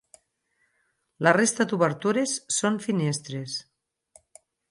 La resta d'obertures són finestres.